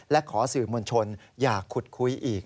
และขอสื่อมวลชนอย่าขุดคุยอีก